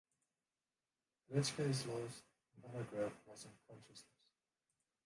Dretske's last monograph was on consciousness.